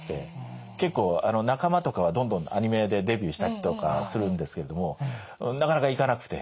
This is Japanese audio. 結構仲間とかはどんどんアニメでデビューしたりとかするんですけれどもなかなかいかなくて。